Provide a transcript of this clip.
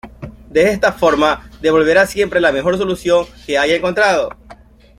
De esta forma, devolverá siempre la mejor solución que haya encontrado.